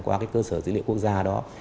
qua cơ sở dữ liệu quốc gia đó